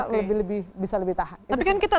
lebih lebih bisa lebih tahan tapi kan kita